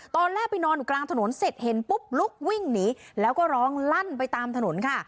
ตอนแรกไปนอนอยู่กลางถนนเสร็จเห็นปุ๊บลุกวิ่งหนีแล้วก็ร้องลั่นไปตามถนนค่ะ